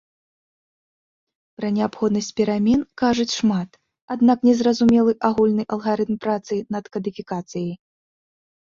Пра неабходнасць перамен кажуць шмат, аднак не зразумелы агульны алгарытм працы над кадыфікацыяй.